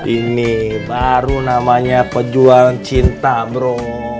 ini baru namanya pejuang cinta bro